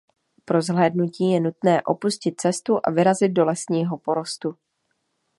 Pro zhlédnutí je nutné opustit cestu a vyrazit do lesního porostu.